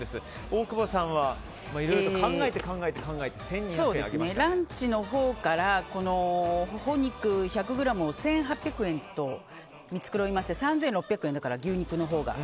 大久保さんは考えて、考えてランチのほうからほほ肉１００ｇを１８００円とみつくろいまして３６００円だから牛肉のほうが。